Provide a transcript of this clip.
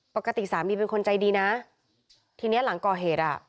ปกติสามีเป็นคนใจดีนะทีเนี้ยหลังก่อเหตุอ่ะ